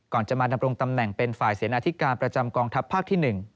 ก่อนจะมาดำรงตำแหน่งเป็นฝ่ายเสนอธิการประจำกองทัพภาคที่๑